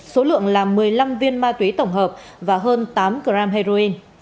số lượng là một mươi năm viên ma túy tổng hợp và hơn tám gram heroin